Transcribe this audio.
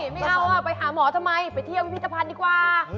ไม่เอาไปหาหมอทำไมไปเที่ยวพิพิธภัณฑ์ดีกว่า